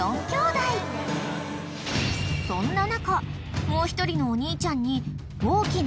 ［そんな中］